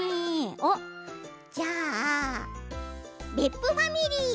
おっじゃあ別府ファミリー！